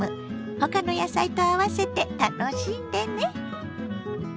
ほかの野菜と合わせて楽しんでね。